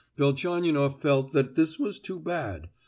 Velchaninoff felt that this was too bad!